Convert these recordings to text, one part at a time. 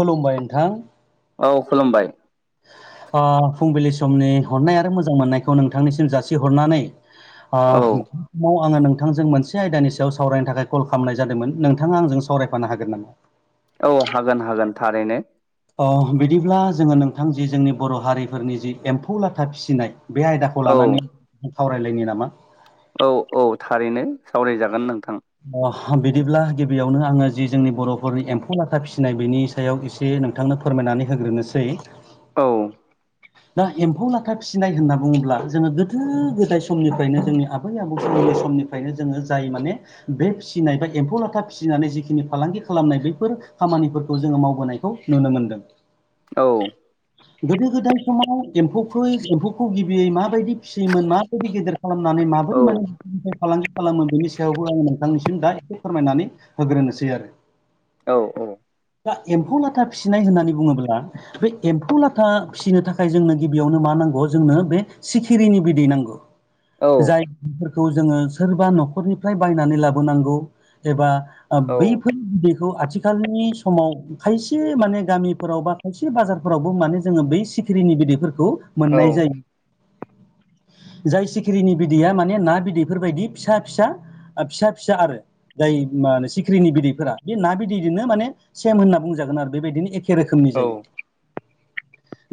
खुलुमबाय नोंथां औ खुलुमबाय फुंबिलि समनि हरनाय आरो मोजां मोननायखौ नोंथांनिसिम जासिहरनानै अ औ समाव आङो नोंथांजों मोनसे आयदानि सायाव सावरायनो थाखाय कल खालामनाय जादोंमोन नोंथाङा आंजों सावरायफानो हागोन नामा औ हागोन हागोन थारैनो अ बिदिब्ला जोङो नोंथां जि जोंनि बर' हारिफोरनि जि एम्फौ लाथा फिसिनाय बे आयदाखौ खौ औ लानानै सावरायलायनो नामा औ औ थारैनो सावरायजागोन नोंथां अह बिदिब्ला गिबियावनो आङो जि जोंनि बर'फोरनि एम्फौ लाथा फिसिनाय बिनि सायाव एसे नोंथांनो फोरमायनानै होग्रोनोसै। औ दा एम्फौ लाथा फिसिनाय होनना बुङोब्ला जोङो गोदो गोदाय समनिफ्रायनो जोंनि आबैनि आबौ मोननि समनि फ्रायनो जोङो जाय माने बे फिसिनाय बा एम्फौ लाथा फिसिनानै जिखिनि फालांगि खालामनाय बैफोर खामानिफोरखौ जोङो मावबोनायखौ नुनो मोनदों। औ गोदो गोदाय समाव एम्फौखै एम्फौखौ गिबियै माबायदि फिसियोमोन माबायदि गेदेर खालामनानै औ माबोरै माने फालांगि खालामो बेनि सायावबो आं नोंथांनिसिम दा एसे फोरमायनानै होग्रोनोसै आरो। औ दा एम्फौ लाथा फिसिनाय होननानै बुङोब्ला बे एम्फौ लाथा फिसिनो थाखाय थाखाय जोंनो गिबियावनो मा नांगौ जोंनो बे सिखिरिनि बिदै नांगौ औ जाय खौ जोङो सोरबा न'खरनिफ्राय बायनानै लाबोनांगौ एबा ओ औ बैफोर बिदैखौ आथिखालनि समाव खायसे माने गामिफोराव बा खायसे बाजारफोरावबो माने जोङो बै सिखिरिनि बिदैफोरखौ औ मोननाय जायो। जाय सिखिरिनि बिदैया माने ना बिदैफोरबायदि फिसा फिसा फिसा फिसा आरो। जाय मा होनो सिख्रिनि बिदैफोरा बे ना बिदैदोंनो माने सेम होनना बुंजागोन आरो बेबायदिनो एखे एखे रोखोमनि औ जायो।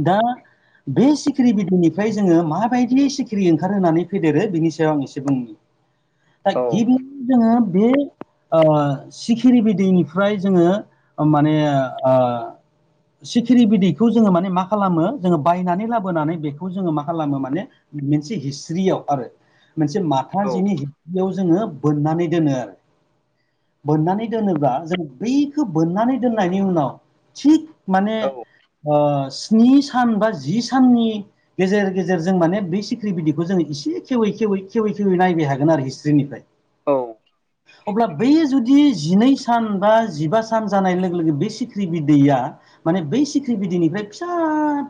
दा बे सिखिरि बिदैनिफ्राय जोङो माबायदि सिखिरि ओंखारहोनानै फेदेरो बेनि सायाव आं एसे बुंनि। दा औ गिबियावनो जोङो बे ओ सिखिरि बिदैैनिफ्राय जोङो माने ओ सिखिरि बिदैखौ जोङो माने मा खालामो जोङो बायनानै लाबोनानै बेखौ जोङो मा खालामो माने मोनसे हिस्ट्रियाव आरो मोनसे माथा जिनि हियाव जोङो बोननानै दोनो आरो। बोननानै दोनोब्ला जों बैखौ बोननानै दोननायनि उनाव थिग माने ओ स्नि सान बा जि साननि गेजेर गेजेर जों माने बै सिख्रि बिदिखौ जोंङो एसे खेवै खेवै खेवै खेवै नायबाय हागोन आरो हिस्ट्रिनिफ्राय। अब्ला बेै जुदि जिनै सान बा जिबा सान जानाय लोगो लोगो बे सिख्रि बिदैया माने बै सिख्रि बिदैनिफ्राय फिसा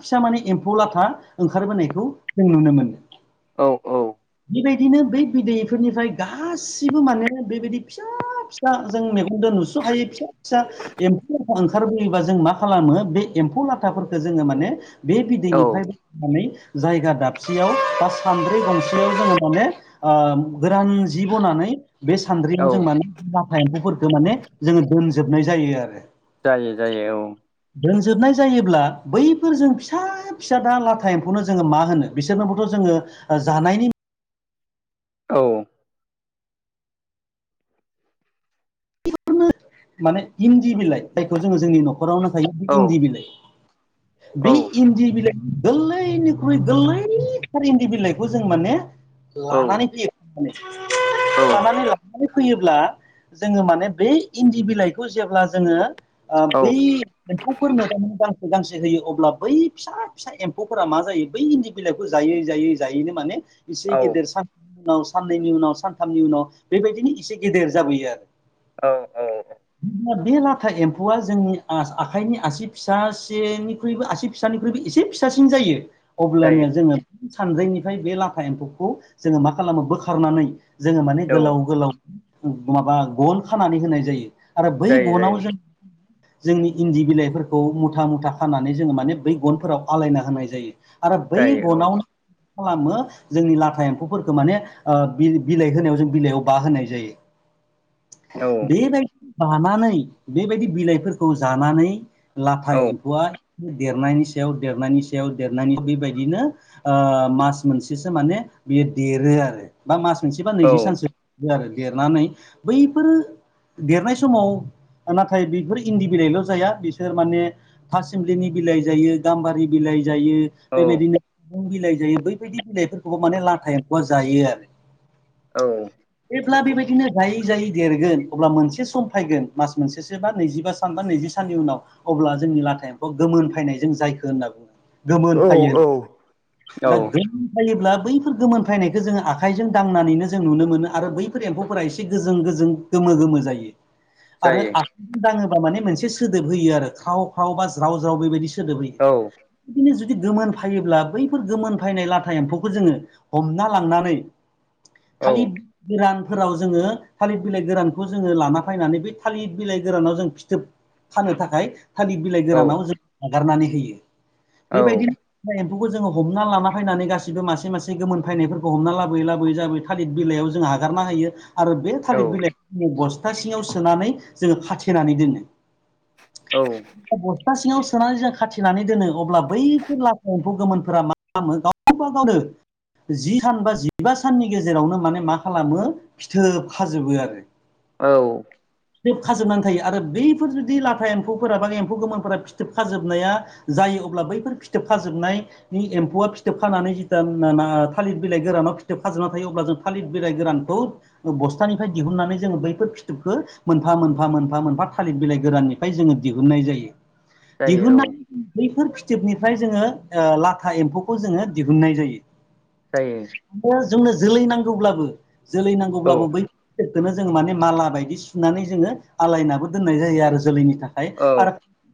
फिसा माने एम्फौ लाथा ओंखारबोनायखौ जों नुनो मोनो। औ औ बेबायदिनो बै बिदैफोरनिफ्राय गासिबो माने बेबायदि फिसा फिसा फिसा जों मेगनदो नुस'हायि फिसा फिसा एम्फौ लाथा ओंखारबोयोबा जों मा खालामो बे एम्फौ लाथाफोरखो जोङो माने बे औ बिदैनिफ्रायबोनानै जायगा दाबसेयाव बा सानद्रि गंसेयाव जोङो माने ओ गोरान जि बनानै बे सान्द्रियाव औ जों माने लाथा एम्फौफोरखौ माने जोङो दोनजोबनाय जायो आरो। जायो जायो औ। दोनजोबनाय जायोब्ला बैफोर जों फिसा फिसा दा लाथा एम्फौनो जोङो मा होनो बिसोरनोबोथ' जोङो जानायनि औ माने इन्दि बिलाइ जायखौ जोङो जोंनि न'खरावनो थायो बे औ इन्दि बिलाइ। औ बे इन्दि बिलाइ गोल्लैनिख्रुइ गोल्लैथार इन्दि बिलाइखौ जों माने औ लानानै फैयो। खानानै लानानै फैयोब्ला जोङो माने बै इन्दि बिलाइखौ जेब्ला जोङो ओ औ बै एम्फौफोरनो माने गांसे गांसे होयो अब्ला बै फिसा फिसा एम्फौफोरा मा जायो बैनि बिलाइखौ जायै जायै जायैनो माने इसे औ गेदेर सानथामनि उनाव साननैनि उनाव सानथामनि उनाव बेबायदिनो इसे गेदेर जाबोयो आरो। औ बे लाथा एम्फौआ जोंनि आ-आखाइनि आसि फिसा सेनिख्रुइबो आसि फिसानिख्रुइबो एसे फिसासिन जायो। जायो अब्लानिया जोङो सानद्रैनिफ्राय बे लाथा एम्फौखौ जोङो मा खालामो बोखारनानै जोङो माने औ गोलाव गोलाव माबा गन खानानै होनाय जायो। आरो बै जायो गनाव जायो जों जोंनि इन्दि बिलाइफोरखौ मुथा मुथा खानानै जोङो माने बै गनफोराव आलायना होनाय जायो। आरो बै जायो गनावनो [inaudible] खालामो जोंनि लाथा एम्फौफोरखौ माने ओ बि-बिलाइ होनायाव जों बिलाइयाव बाहोनाय जायो। औ बेबायदि बानानै बेबायदि बिलाइफोरखौ जानानै लाथा औ एम्फौआ देरनायनि सायाव देरनायनि सायाव देरनायनि बैबायदिनो ओ मास मोनसेसो माने बियो देरो आरो। बा मास मोनसे बा औ नैजि सानसो आरो देरनानै बैफोर देरनाय स समाव ओ नाथाय बेफोर इन्दि बिलाइल' जाया बिसोर माने थासिम्लिनि बिलाइ जायो गाम्बारि बिलाइ जायो। औ बैबायदि [unintelligible] बिलाइ जायो बैबायदि बिलाइफोरखौबो माने लान्थाया जायो आरो। औ जेब्ला बेबायदिनो जायै जायै देरगोन अब्ला मोनसे सम फायगोन मास मोनसेसो बा नैजिबा सान बा नैजि साननि उनाव अब्ला जोंनि लाथा एम्फौ गोमोन फायनाय जों जायखो होनना बुङो। गोमोन औ फैयो औ औ दा बै जायोब्ला बैफोर गोमोन फायनायखौ जोङो आखाइजों दांनानैनो जों नुनो मोनो आरो बैफोर एम्फौफोरा एसे गोजों गोजों गोमो गोमो जायो। आरो जायो आखाइजों दाङोबा माने मोनसे सोदोब होयो आरो ख्राव ख्रावबा ज्राव ज्राव बेबायदि सो सोदोब होयो औ बिदिनो जुदि गोमोन फायोब्ला बैफोर गोमोन फायनाय लाथा एम्फौखौ जोङो हमना लांनानै औ थालिर गोरानफोराव जोङो थालिर बिलाइ गोरानखौ जोङो लाना फायनानै बे थालिर बिलाइ गोरानाव जों फिथोब थानो थाखाय थालिर बिलाइ औ गोरानाव जों हगारनानै होयो औ बैबायदिनो था एम्फौखौ जोङो हमना लाना फायनानै गासिबो मासे मासे गोमोन फैनायफोरखौ हमना लाबोयै लाबोयै लाबोयै थालिर बिलाइयाव जों आगारना होयो। आरो बे औ थालिर बिलाइखौ जोङो बस्था सिङाव सोनानै जोङो खाथेनानै दोनो। औ। बस्था सिङाव सोनानै जों खाथिनानै दोनो अब्ला बैफोर लाफा एम्फौ गोमोनफोरा मा [inaudible] जि सान बा जिबा साननि गेजेरावनो माने मा खालामो फिथोब खाजोबो आरो। औ। फिथोब खाजोबनानै थायो आरो बैफोर जुदि लाथा एम्फौफोरा बा एम्फौ गोमोनफोरा फिथोब खाजोबनाया जायो अब्ला बैफोर फिथोबफाजोबनाय बि एम्फौआ फिथोब खानानै जिथा ना आ थालिर बिलाइ गोरानाव फिथोब खाजोबना थायो अब्ला जों थालिद बिलाइ गोरानखौ बस्थानिफ्राय दिहुननानै जोङो बैफोर फि थोबखो मोनफा मोनफा मोनफा मोनफा थालिर बिलाइ गोराननिफ्राय जोङो दिहुननाय जायो। जायो औ दिहुनना जायो बैफोर फिथोबनिफ्राय जोङो ओ लाथा एम्फौखौ जोङो दिहुननाय जायो। जायो। जोंनो जोलै नांगौब्लाबो जोलै औ नांगौब्लाबो बैखौनो जोङो माने माला बायदि सुनानै जोङो आलायनाबबो दोननाय जायो आरो जोलैनि थाखाय आरो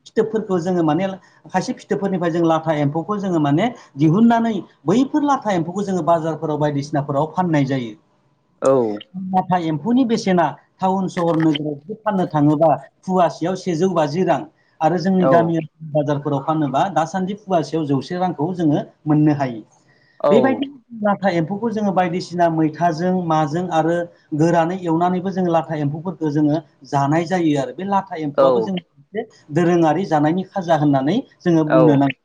फिथोबफोरखौ जोङो माने खायसे फिथोबफोरनिफ्राय जों लाथा एम्फौखौ जोङो माने दिहुननानै बैफोर लाथा एम्फौखौ जोङो बाजारफोराव बायदिसिनाफोराव फाननाय जायो औ नाथाय एम्फौनि बेसेना टाउन सहर नोगोराव जुदि फाननो थाङोबा फुवासेयाव सेजौ बाजि रां आरो जोंनि औ गामि बाजारफोराव फानोबा दासान्दि फुवासेयाव जौसे रांखौ जोङो मोननो हायो औ बेबायदि लाथा एम्फौखौ जोङो बायदिसिना मैथाजों माजों आरो गोरानै एवनानैबो जों ला लाथा एम्फौफोरखौ जोङो जानाय जायो आरो बे लाथा औ एम्फौआबो जों दोरोङारि जानायनि खाजा होननानै जोङो औ बुंनो नांगो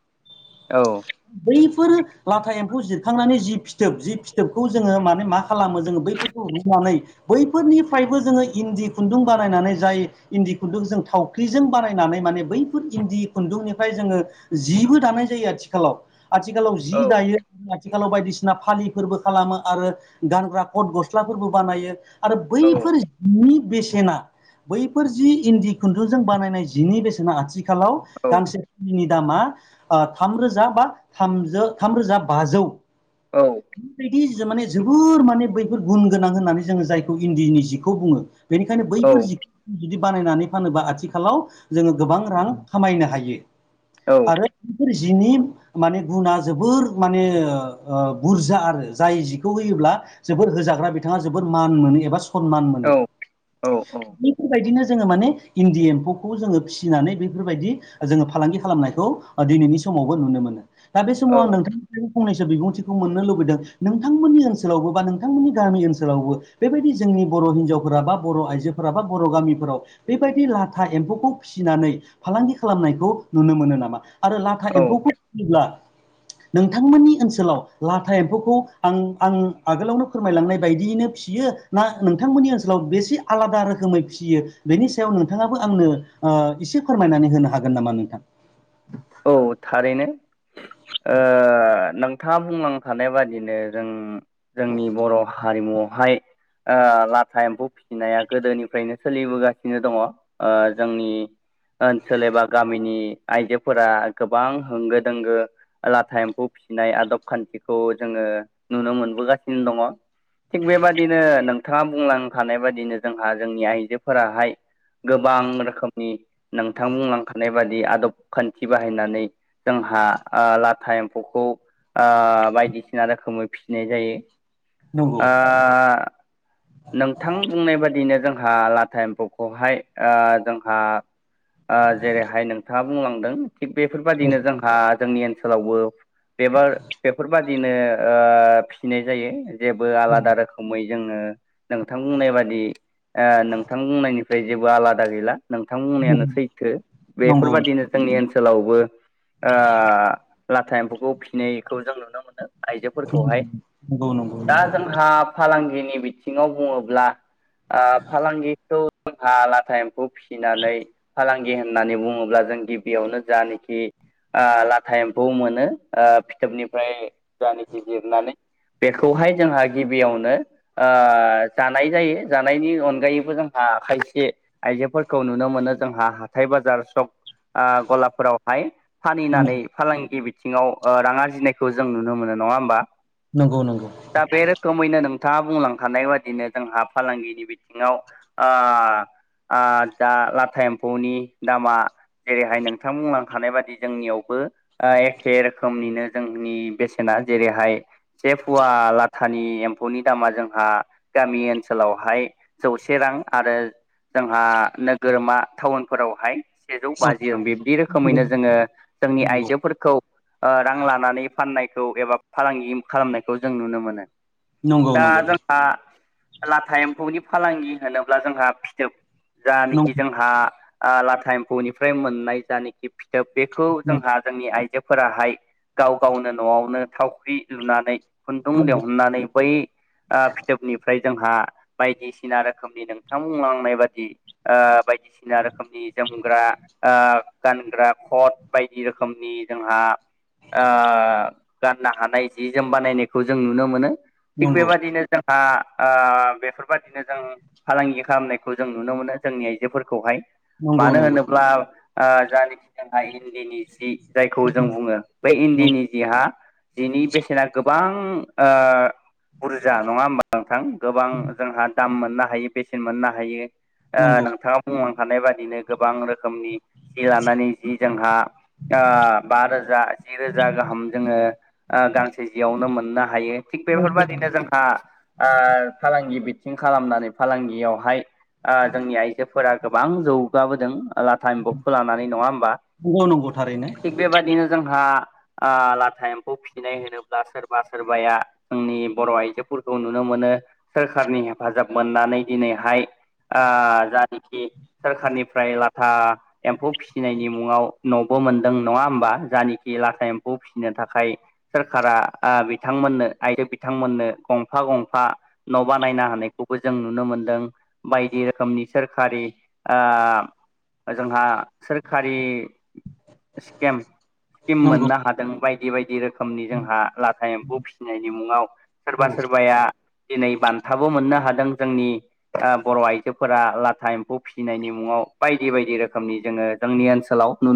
बैफोर लाथा एम्फौ जिरखांनानै जि फिथोब जि फिथोबखौ जोङो माने मा खालामो जोङो बै होननानै बैफोरनिफ्रायबो जोङो इन्दि खुन्दुं बानायनानै जाय इन्दि खुन्दुं जों थावख्रिजों बानायनानै माने बैफोर इन्दि खुन्दुंनिफ्राय जोङो जिबो दानाय जायो आथिखालाव आथिखालाव जि दायो आथिखालाव बायदिसिना फालिफोरबो खालामो आरो गानग्रा कथ गस्लाफोरबो बानायो आरो बैफोर जिनि बेसेना बैफोर जि इन्दि खुन्दुंजों बानायनाय जिनि बेसेना आथिखालाव गांसे फुलिनि दामा थामरोजा बा थामज थामरोजा बाजौ औ बेबायदि माने जोबोर माने बैफोर गुन गोनां होननानै जोङो जायखौ इन्दिनि जिखौ बुङो बेनिखायनो बैफोर जिखि जुदि बानायनानै फानोबा आथिखालाव जोङो गोबां रां खामायनो हायो। औ। आरो बेफोर जिनि माने गुना जोबोर माने बुरजा आरो जाय जिखौ होयोब्ला जोबोर होजाग्रा बिथाङा जोबद मान मोनो एबा सनमान मोनो बेफोरबायदिनो जोङो माने इन्दि एम्फौखौ जोङो फिसिनानै बेफोरबायदि जोङो फालांगि खालामनायखौ दिनैनि समावबो नुनो मोनो दा बे समाव आं नोंथांनिफ्राय फंनैसो बिबुंथि मोननो लुबैदों नोंथांमोननि ओनसोलावबो बा नोंथांमोननि गामि ओनसोलावबो बेबायदि जोंनि बर' हिनजावफोरा बा बर' आइजोफोरा बा बर' गामिफोराव बेबायदि लाथा एम्फौखौ फिसिनानै फालांगि खालामनायखौ नुनो मोनो नामा? आरो लाथा औ एम्फौफोर फोब्ला नोंथांमोननि ओनसोलाव लाथा एम्फौखौ आं आं आगोलावनो फोरमायलांनाय बायदियैनो फिसियो ना नोंथांमोननि ओनसोलाव बेसे आलादा रोखोमै फिसियो बेनि सायाव नोंथाङाबो आंनो एसे फोरमायनानै होनो हागोन नामा नोंथां औ थारैनो ओ खोथा बुंलांखानाय बादिनो जों जोंनि बर' हारिमुआवहाय लाथा एम्फौ फिसिनाया गोदोनिफ्रायनो सोलिबोगासिनो दङ। ओ जोंनि ओनसोल एबा गामिनि आइजो फोरा गोबां होंगो दोंगो लाथा एम्फौ फिसिनाय आदब खान्थिखौ जोङो नुनो मोनबोगासिनो दङ। थिग बेबादिनो नोंथाङा बुंलांखानाय बाददिनो जोंहा जोंनि आइजोफोराहाय गोबां रोखोमनि नोंथां बुंलांखानाय बादि आदब खान्थि बाहायनानै जोंहा लाथा एम्फौखौ ओ बायदिसिना रोखोमै फिसिनाय नंगौ जायो। नोंथां बुंनाय बादियैनो जोंहा लाथा एम्फौखौहाय जोंहा जेरैहाय नोंथाङा थिग बेफोरबायदिनो जोंहा जोंनि ओनसोलावबो एबा बेफोर बायदिनो बिदिनो फिनाय जायो जेबो आलादा रोखोम र खुमै जोङो नोंथां बुंनाय बादि नोंथां बुंनायनिफ्राय जेबो आलादा गैला। नोंथां बुंनायानो सैथो नंगौ बेफोरबादिनो जोंनि ओनसोलावबो लाथा एम्फौखौ फिनायखौ जों नुनो मोनो आइजोफोरखौहाय औ नंगौ दा जोंहा फालांगिनि बिथिङाव बुङोब्ला आ फालांगिखौ जोंहा लाथा एम्फौ फिसिनानै फालांगि होननानै बुङोब्ला जों गिबियावनो जानाखि लाथा एम्फौ मोनो फिथोबनिफ्राय जानो गि लिरनानै बेखौहाय जोंहा गिबियावनो जानाय जायो जानायनि अनगायैबो जोंहा खायसे आइजोफोरखौ नुनो मोनो जोंहा हाथाय बाजार सक ओ गलाफोरावहाय फानिनानै फालांगि बिथिङाव रां आरजिनायखौ जों नुनो मोनो नङा होमबा नंगौ नंगौ दा बे रोखोमैनो नोंथाङा बुंलांखानाय बादिनो जोंहा फालांगिनि बिथिङाव ओ दा लाथा एम्फौनि दामा जेरैहाय नोंथां बुंलांखानाय बादि जोंनियावबो एखे रोखोमनिनो जोंनि बेसेना जेरैहाय से फुवा लाथा नि एम्फौनि दामा जोंहा गामि ओनसोलावहाय जौसे रां आरो जोंहा नोगोरमा टाउनफोरावहाय सेजौ बा औ बिब्दि रोखोमैनो जोङो जोंनि नंगौ आइजोफोरखौ रां लानानै फाननायखौ एबा फालांगि खालामनायखौ जों नुनो मोनो दा नंगौ जोंहा लाथा एम्फौनि फालांगि होनोब्ला जोंहा फिथोब जानाखि नंगौ जोंहा लाथा एम्फौनिफ्राय मोननाय जानाखि बेखौ थार नंगौ जोंहा जोंनि आइजोफोराहाय गाव गावनो न'आवनो थावख्रि लुनानै खुन्दुं नंगौ नंगौ दिहुननानै बै फिथोबनिफ्राय जोंहा बायदिसिना रोखोमनि नोंथां बुंलांनाय बादि बायदिसिना रोखोमनि जोमग्रा ओ गानग्रा खद बायदि रोखोमनि जोंहा ओ गाननो हानाय जि जोम बानायनायखौ जों नुनो मोनो थिग नंगौ बेबादिनो जोंहा ओ बेफोरबायदिनो जों फालांगि खालामनायखौ जों नुनो मोनो जोंनि आइजोफोरखौहाय मानो नंगौ नंगौ होनोब्ला जानाखि जोंहा इन्दिनि जि जायखौ जों बुङो बे इन्दिनि जिहा जिनि बेसेना गोबां बुरजा नङा होमबा नोंथां गोबां जोंहा दाम मोननो हायो बेसेन मोननो हायो नंगौ नोंथाङा बुंलांखानाय बादिनो गोबां रोखोमनि जि लानानै जि जोंहा बा रोजा जि रोजा गाहाम जोङो गांसे जियावनो मोननो हायो थिग बेफोरबायदिनो जोंहा फालांगि बिथिं खालामनानै फालांगियावहाय जोंनि आइजोफोरा गोबां जौगाबोदों लाथा एमफौ जानानै नङा होमबा नंगौ थारैनो थिग बेबायदिनो जोंहा लाथा एम्फौ फिसिनाय होनोब्ला सोरबा सोरबाया जोंनि बर' आइजोफोरखौ नुनो मोनो सोरखारनि हेफाजाब मोननानै दिनैहाय जानाखि सोरखारनिफ्राय लाथा एम्फौ फिसिनायनि मुङाव न'बो मोनदों नङा होमबा जानाखि जि एम्फौ फिसिनो थाखाय सोरखारा बिथांमोननो आइजो बिथांमोननो गंफा गंफा न' बानायना होनायखौबो जों नुनो मोनदों बायदि रोखोमनि सोरखारि जोंहा सोरखारि स्किम नंगौ मोननो हादों बायदि बायदि बायदि रोखोमनि जोंहा लाथा एम्फौ फिसिनायनि मुङाव सोरबा औ सोरबाया दिनै बान्थाबो मोननो हादों जोंनि बर' आइजोफोरा लाथा एम्फौ फिसिनायनि मुङाव बायदि बायदि रोखोम जोंनि ओनसोलाव